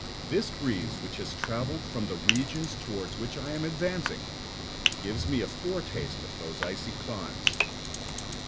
This breeze, which has travelled from the regions towards which I am advancing, gives me a foretaste of those icy climes.